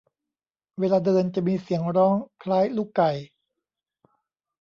เวลาเดินจะมีเสียงร้องคล้ายลูกไก่